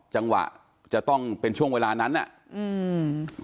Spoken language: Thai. จังหวะจะต้องเป็นช่วงเวลานั้นอ่ะอืม